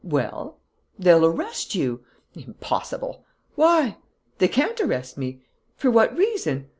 "Well?" "They'll arrest you." "Impossible!" "Why?" "They can't arrest me." "For what reason?"